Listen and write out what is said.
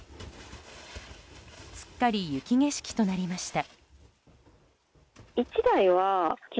すっかり雪景色となりました。